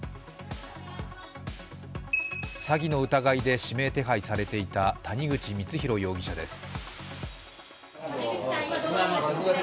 詐欺の疑いで指名手配されていた谷口光弘容疑者です。